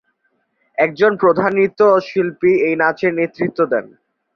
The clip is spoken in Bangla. একজন প্রধান নৃত্যশিল্পী এই নাচের নেতৃত্ব দেন।